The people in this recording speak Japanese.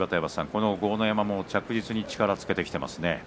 豪ノ山も確実に力をつけてきていますね。